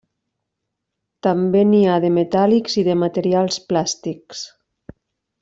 També n'hi ha de metàl·lics i de materials plàstics.